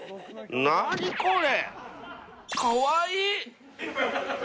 何これ？